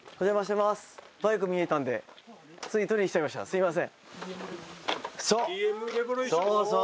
すいません。